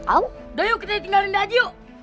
aduh udah yuk kita tinggalin dia aja yuk